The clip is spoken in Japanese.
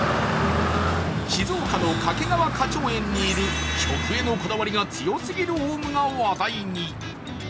静岡の掛川花鳥園にいる食へのこだわりが強すぎるおうむが話題に。